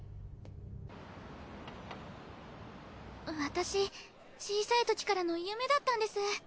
私小さいときからの夢だったんです。